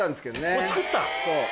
これ作った。